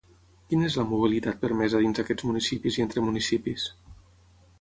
Quina és la mobilitat permesa dins aquests municipis i entre municipis?